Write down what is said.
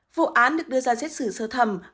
vụ án được đưa ra xét xử sơ thẩm